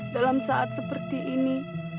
dalam saat seperti ini